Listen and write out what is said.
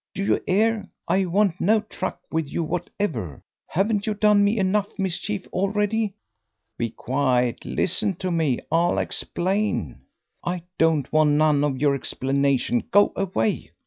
Do you 'ear? I want no truck with you whatever. Haven't you done me enough mischief already?" "Be quiet; listen to me. I'll explain." "I don't want none of your explanation. Go away."